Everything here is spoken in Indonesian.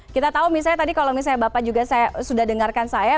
kita tahu misalnya tadi kalau misalnya bapak juga saya sudah dengarkan saya